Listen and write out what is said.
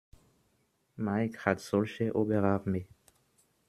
Mike hat solche Oberarme.